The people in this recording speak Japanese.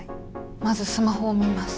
まずスマホを見ます。